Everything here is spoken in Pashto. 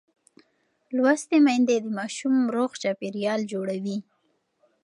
لوستې میندې د ماشوم روغ چاپېریال جوړوي.